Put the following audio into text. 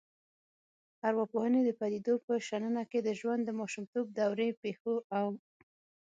ارواپوهنې د پديدو په شننه کې د ژوند د ماشومتوب دورې پیښو او